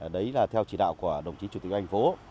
đấy là theo chỉ đạo của đồng chí chủ tịch thành phố